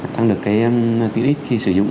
tăng được cái tí ít khi sử dụng